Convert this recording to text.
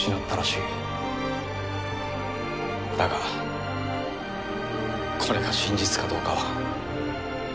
だがこれが真実かどうかは分からない。